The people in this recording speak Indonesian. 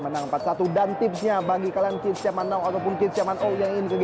ya sudah masuk lagi ibu prisoners penging